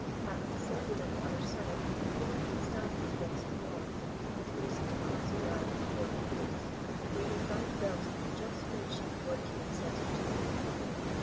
Having descended on the other side, he left it standing against the wall, and hastened across the yard towards the gates, where he found Belton just finishing the work he had set him to do.